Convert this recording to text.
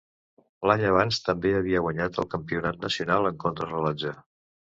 L'any abans també havia guanyat el campionat nacional en contrarellotge.